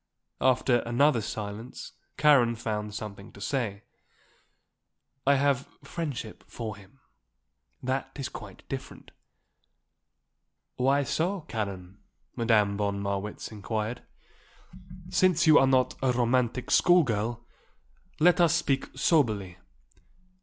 After another silence Karen found something to say. "I have friendship for him. That is quite different." "Why so, Karen?" Madame von Marwitz inquired. "Since you are not a romantic school girl, let us speak soberly.